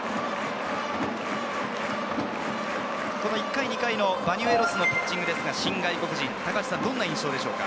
１回、２回のバニュエロスのピッチング、どんな印象でしょうか？